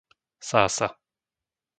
Sása